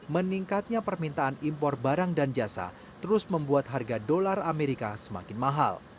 meningkatnya permintaan impor barang dan jasa terus membuat harga dolar amerika semakin mahal